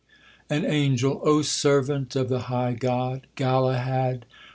_ AN ANGEL. O servant of the high God, Galahad!